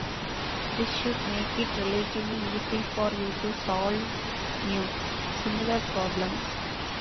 This should make it relatively easy for you to solve new, similar problems!